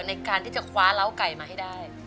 ในการที่จะคว้าเล้าไก่มาให้ได้